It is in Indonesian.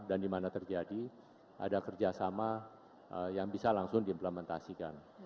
dan dimana terjadi ada kerjasama yang bisa langsung diimplementasikan